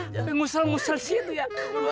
masih ngusel ngusel sih ya